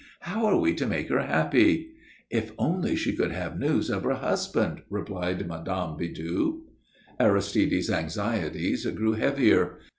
"How are we to make her happy?" "If only she could have news of her husband!" replied Mme. Bidoux. Aristide's anxieties grew heavier.